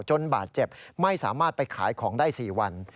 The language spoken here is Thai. บาดเจ็บไม่สามารถไปขายของได้๔วัน